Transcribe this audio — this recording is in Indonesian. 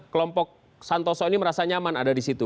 kelompok santoso ini merasa nyaman ada disitu